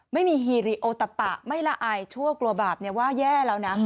ไม่มีฮีริโอตะปะไม่ละอายชั่วกลัวบาปว่าแย่แล้วนะ